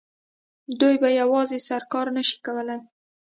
دوی په یوازې سر کار نه شي کولای